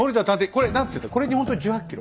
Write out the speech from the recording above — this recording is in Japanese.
これにほんと１８ｋｇ？